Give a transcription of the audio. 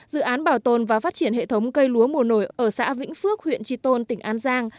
dự án bảo tồn và phát triển hệ thống cây lúa mùa nổi ở xã vĩnh phước huyện tri tôn tỉnh an giang